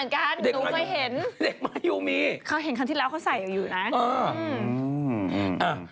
เค้าเห็นครั้งแรกแล้วเค้าใส่อยู่นะ